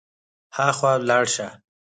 هاخوا لاړ شه.